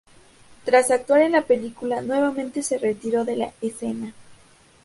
Tras actuar en la película, nuevamente se retiró de la escena.